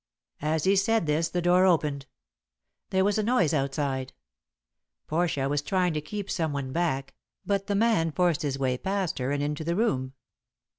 As he said this the door opened. There was a noise outside. Portia was trying to keep some one back, but the man forced his way past her and into the room.